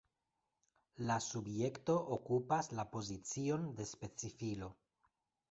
La subjekto okupas la pozicion de specifilo.